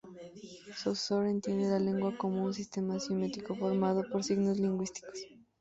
Saussure entiende la lengua como un sistema semiótico formado por signos lingüísticos.